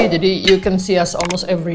dia bisa melihat kita hampir setiap hari